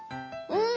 うん。